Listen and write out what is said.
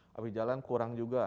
tapi jalan kurang juga